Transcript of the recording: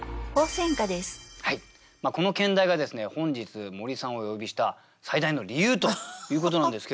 この兼題がですね本日森さんをお呼びした最大の理由ということなんですけれど。